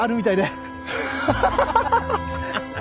ハハハハ！